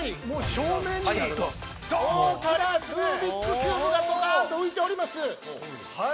◆正面に、ドーンと、ルービックキューブがドカンと浮いております。